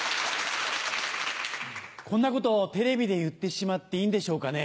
こんなことテレビで言ってしまっていいんでしょうかね。